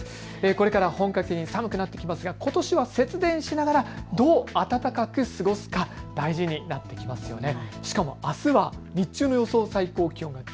これから本格的に寒くなりますがことしは節電しながらどう暖かく過ごすが大事になってきますよね。